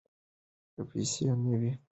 که پیسې یې نه وی، کاروبار به یې نه کړی وای.